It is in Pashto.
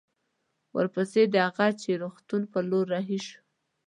ورپسې د هه چه روغتون پر لور رهي شوو.